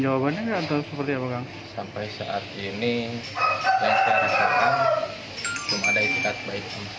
sampai saat ini yang saya rasakan cuma ada istirahat baik baik sekali